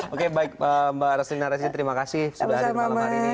oke baik mbak raslina razi terima kasih sudah hadir malam hari ini